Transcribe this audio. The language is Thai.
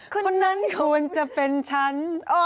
คนนั้นควรจะเป็นฉัน